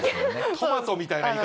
トマトみたいな言い方。